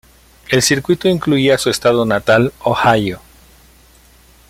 El circuito incluía su estado natal, Ohio.